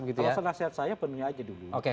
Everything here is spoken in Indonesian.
kalau senasihat saya penuhnya saja dulu